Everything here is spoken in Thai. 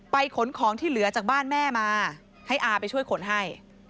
ขนของที่เหลือจากบ้านแม่มาให้อาไปช่วยขนให้